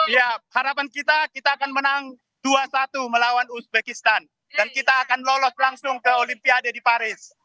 ya harapan kita kita akan menang dua satu melawan uzbekistan dan kita akan lolos langsung ke olimpiade di paris